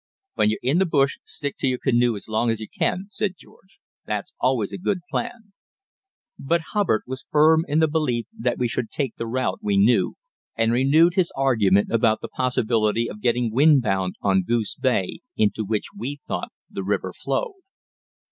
"When you're in the bush stick to your canoe as long as you can," said George; "that's always a good plan." But Hubbard was firm in the belief that we should take the route we knew, and renewed his argument about the possibility of getting windbound on Goose Bay, into which we thought the river flowed.